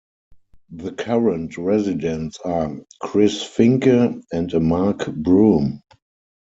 The current residents are Chris Finke and Mark Broom.